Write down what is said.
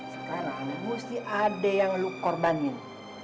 sekarang mesti ada yang lu korbanin